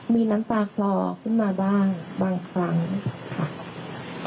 มีน้ำตาคลอขึ้นมาบ้างบางครั้งค่ะ